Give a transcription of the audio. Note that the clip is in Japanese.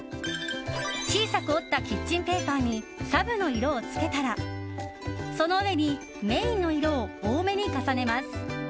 小さく折ったキッチンペーパーにサブの色をつけたらその上にメインの色を多めに重ねます。